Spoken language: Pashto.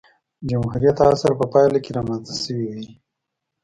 جمهوریت عصر په پایله کې رامنځته شوې وې.